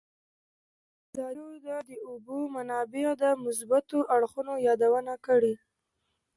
ازادي راډیو د د اوبو منابع د مثبتو اړخونو یادونه کړې.